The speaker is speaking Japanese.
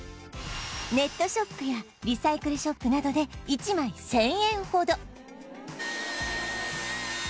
ネットショップやリサイクルショップなどで１枚１０００円ほど